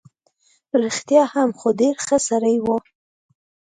رښتیا هم، خو ډېر ښه سړی وو.